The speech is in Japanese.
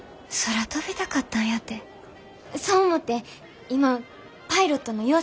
そう思て今パイロットの養成